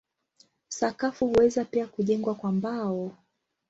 Sakafu huweza pia kujengwa kwa mbao.